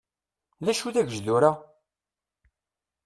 D acu dagejdur-a?